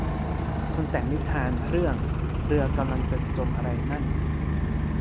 คนแต่งนิทานเรื่อง เรือกำลังจะจม อะไรนั่น